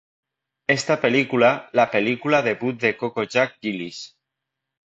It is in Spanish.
Esta película la película debut de Coco Jack Gillies.